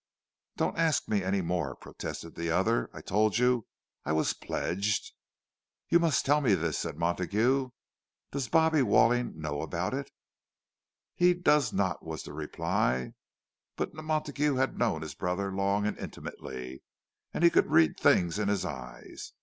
"Don't ask me any more," protested the other. "I told you I was pledged—" "You must tell me this," said Montague. "Does Bobbie Walling know about it?" "He does not," was the reply. But Montague had known his brother long and intimately, and he could read things in his eyes.